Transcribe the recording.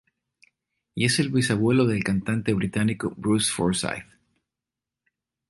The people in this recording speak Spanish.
Y es el bisabuelo del cantante británica Bruce Forsyth.